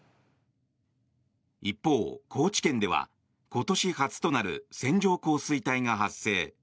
一方、高知県では今年初となる線状降水帯が発生。